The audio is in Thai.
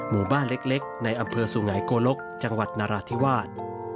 หมู่บ้านเล็กในอำเภอสุงหายโกลกจังหวัดนราธิวาส